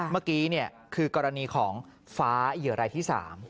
เมื่อกี้คือกรณีของฟ้าเหยื่อรายที่๓